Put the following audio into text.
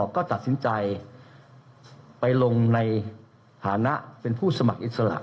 ก็ตัดสินใจไปลงในฐานะเป็นผู้สมัครอิสระ